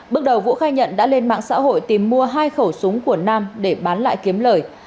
bước đầu vũ khai nhận đã lên mạng xã hội tìm mua hai khẩu súng của nam để bán lại kiếm lời